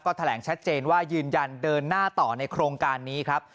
แถลงชัดเจนว่ายืนยันเดินหน้าต่อในโครงการนี้ครับ